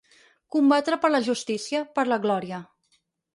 Combatre per la justícia, per la glòria.